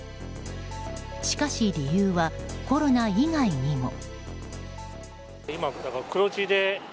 しかし理由はコロナ以外にも。